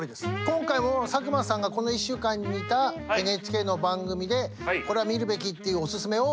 今回も佐久間さんがこの１週間に見たＮＨＫの番組でこれは見るべきっていうオススメを。